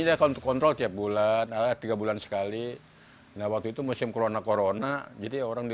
jatuh kontrol tiap bulan alat tiga bulan sekali nah waktu itu musim corona corona jadi orang di